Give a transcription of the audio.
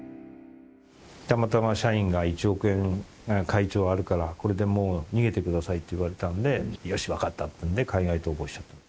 会長あるからこれで逃げてくださいって言われたんでよし分かったっていうんで海外逃亡したと。